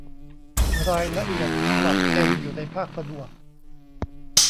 รายละเอียดฉบับเต็มอยู่ในภาคผนวก